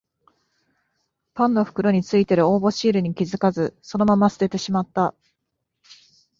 パンの袋についてる応募シールに気づかずそのまま捨ててしまった